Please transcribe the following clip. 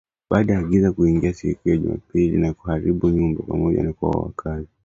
baada ya giza kuingia siku ya Jumapili na kuharibu nyumba pamoja na kuwaua wakaazi